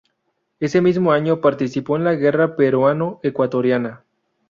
Ese mismo año, participó en la guerra peruano-ecuatoriana.